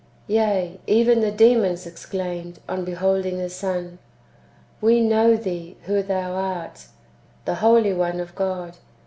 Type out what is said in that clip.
Yea, even the demons exclaimed, on beholding the Son :" We know thee who thou art, the Holy One of God."